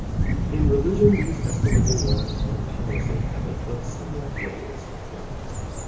In religion these estimable wives are pious in habit but somewhat nebulous in faith.